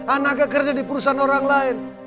anaknya kerja di perusahaan orang lain